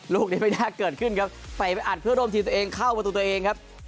ลูกนี้ไม่น่าเกิดขึ้นครับเตะไปอัดเพื่อร่วมทีมตัวเองเข้าประตูตัวเองครับ